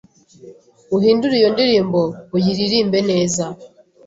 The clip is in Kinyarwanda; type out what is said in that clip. uhindure iyo ndirimbo uyiririmbe neza